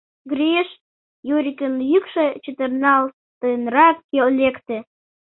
— Гриш, — Юрикын йӱкшӧ чытырналтынрак лекте.